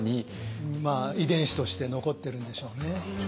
遺伝子として残ってるんでしょうね。